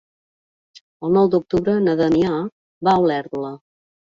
El nou d'octubre na Damià va a Olèrdola.